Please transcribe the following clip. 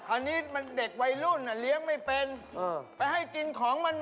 อันนี้มันเด็กวัยรุ่นอ่ะเลี้ยงไม่เป็นไปให้กินของมัน